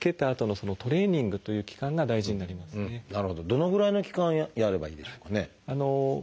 どのぐらいの期間やればいいんでしょうかね？